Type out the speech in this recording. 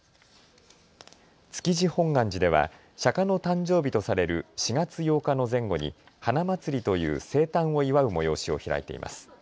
築地本願寺では釈迦の誕生日とされる４月８日の前後にはなまつりという生誕を祝う催しを開いています。